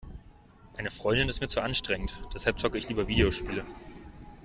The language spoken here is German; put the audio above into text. Eine Freundin ist mir zu anstrengend, deshalb zocke ich lieber Videospiele.